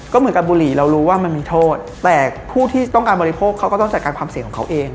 ก็เหมือนกับบุหรี่เรารู้ว่ามันมีโทษแต่ผู้ที่ต้องการบริโภคเขาก็ต้องจัดการความเสี่ยงของเขาเอง